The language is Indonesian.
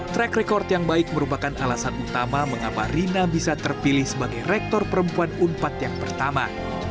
track record yang baik merupakan alasan utama mengapa rina bisa terpilih sebagai rektor perempuan unpad yang pertama